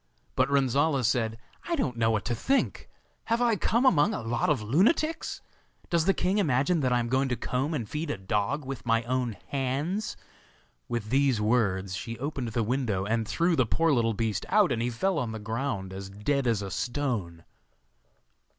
But Renzolla said: 'I don't know what to think. Have I come among a lot of lunatics? Does the king imagine that I am going to comb and feed a dog with my own hands?' With these words she opened the window and threw the poor little beast out, and he fell on the ground as dead as a stone.